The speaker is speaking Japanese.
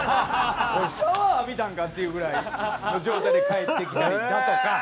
おいシャワー浴びたんかっていうぐらいの状態で帰ってきたりだとか。